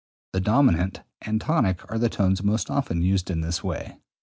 The dominant and tonic are the tones most often used in this way.